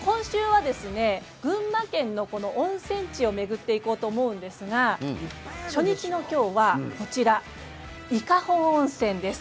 今週は群馬県の温泉地を巡っていこうと思うんですが初日の今日はこちら伊香保温泉です。